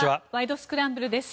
スクランブル」です。